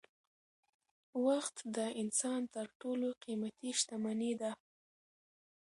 وخت د انسان تر ټولو قيمتي شتمني ده.